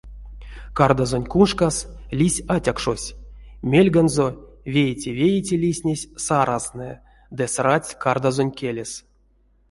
Кардазонть куншкас лиссь атякшось, мельганзо вейте-вейте лиснесть саразтнэ ды срадсть кардазонь келес.